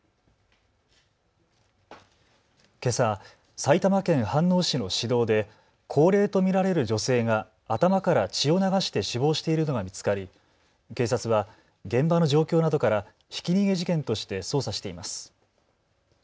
けさ埼玉県飯能市の市道で高齢と見られる女性が頭から血を流して死亡しているのが見つかり警察は現場の状況などからひき逃げ事件として捜査しています。